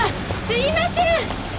すいません！